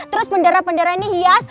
terus bendera bendera ini hias